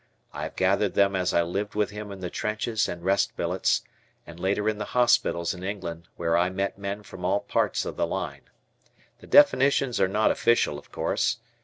I have gathered them as I lived with him in the trenches and rest billets, and later in the hospitals in England where I met men from all parts of the line. The definitions are not official, of course.